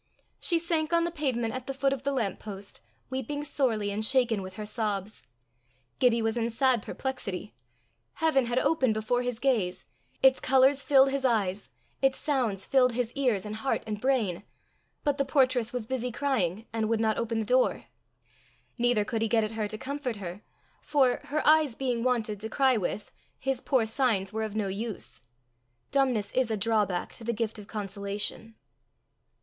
She sank on the pavement at the foot of the lamp post, weeping sorely, and shaken with her sobs. Gibbie was in sad perplexity. Heaven had opened before his gaze; its colours filled his eyes; its sounds filled his ears and heart and brain; but the portress was busy crying and would not open the door. Neither could he get at her to comfort her, for, her eyes being wanted to cry with, his poor signs were of no use. Dumbness is a drawback to the gift of consolation.